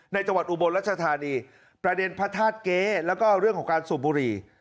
จังหวัดอุบลรัชธานีประเด็นพระธาตุเก๊แล้วก็เรื่องของการสูบบุหรี่